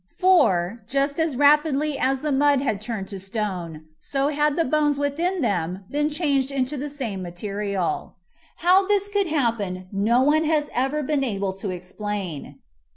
For, just as rapidly as the mud had turned to stone, so had the bones within them been changed into the same material. How this could happen no one has ever been able to explain.